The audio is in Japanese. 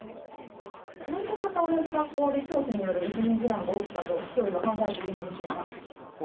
なぜまた同じ学校で教師によるいじめ事案が起きたと、市教委は考えているのでしょうか。